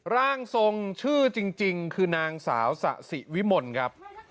ร่างทรงชื่อจริงคือนางสาวสะสิวิมลครับ